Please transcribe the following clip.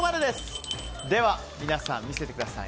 皆さん、見せてください。